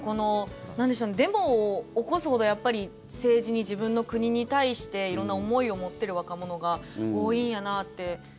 デモを起こすほど政治に、自分の国に対して色んな思いを持っている若者が多いんやなって。